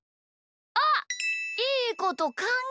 あ！いいことかんがえた！